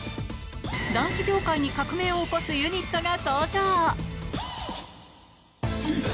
ダンス業界に革命を起こすユニットが登場。